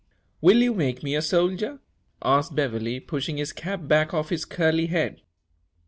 "Will you make me a soldier?" asked Beverley, pushing his cap back off his curly head.